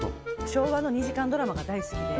昭和の２時間ドラマが大好きで